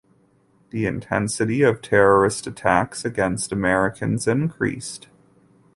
The intensity of terrorist attacks against Americans increased.